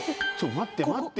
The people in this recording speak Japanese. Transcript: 待って待って。